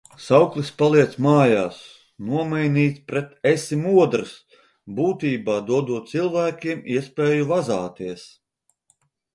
Sauklis "paliec mājas" nomainīts pret "esi modrs". Būtībā, dodot cilvēkiem iespēju vazāties.